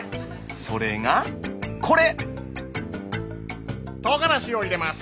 それがこれ！